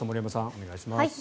お願いします。